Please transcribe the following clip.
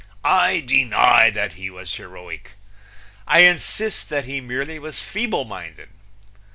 I deny that he was heroic. I insist that he merely was feeble minded.